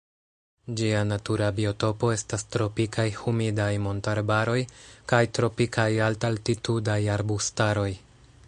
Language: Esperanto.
Ĝia natura biotopo estas tropikaj humidaj montarbaroj kaj tropikaj alt-altitudaj arbustaroj.